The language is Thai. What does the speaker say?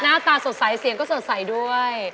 หน้าตาสดใสเสียงก็สดใสด้วย